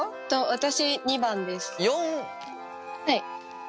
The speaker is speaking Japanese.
私２番です。